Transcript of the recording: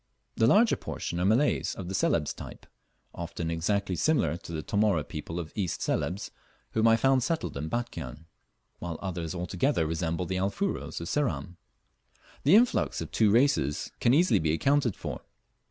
The larger portion are Malays of the Celebes type, often exactly similar to the Tomóre people of East Celebes, whom I found settled in Batchian; while others altogether resemble the Alfuros of Ceram. The influx of two races can easily be accounted for.